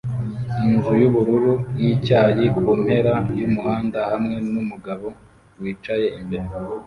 Inzu yubururu yicyayi kumpera yumuhanda hamwe numugabo wicaye imbere